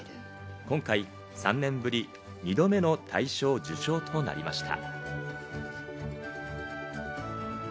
今回３年ぶり、２度目の大賞受賞となりました。